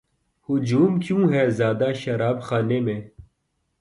ہجوم کیوں ہے زیادہ شراب خانے میں